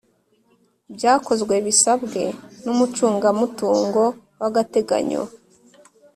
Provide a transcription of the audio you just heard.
byakozwe bisabwe n’umucungamutungo w’agateganyo